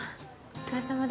お疲れさま。